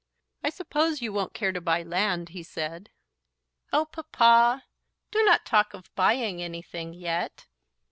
"I suppose you won't care to buy land," he said. "Oh, Papa, do not talk of buying anything yet."